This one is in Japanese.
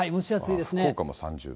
福岡も３０度。